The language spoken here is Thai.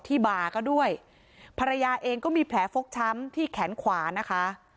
บ่าก็ด้วยภรรยาเองก็มีแผลฟกช้ำที่แขนขวานะคะ